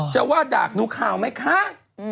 จะว่าด่ากหนูข่าวไหมคะ